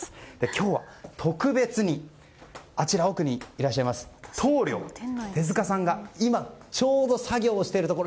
今日は特別に奥にいらっしゃいます棟梁の手塚さんが今ちょうど作業をしているところ。